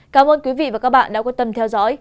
cảm ơn quý vị và các bạn đã quan tâm theo dõi